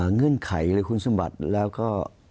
เงื่อนไขหรือคุณสมบัติแล้วก็